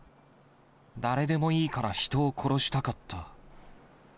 誰でもいいから人を殺したかった。